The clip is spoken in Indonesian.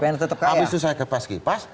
tapi tetap kaya abis itu saya kepaskipas